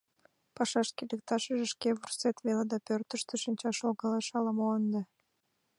— Пашашке лекташыже шке вурсет веле да, пӧртыштӧ шинчаш логалеш ала-мо ынде?